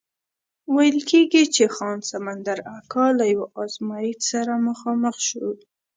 ویل کېږي چې خان سمندر اکا له یو ازمایښت سره مخامخ شو.